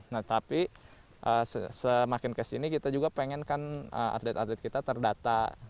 nah tapi semakin kesini kita juga pengen kan atlet atlet kita terdata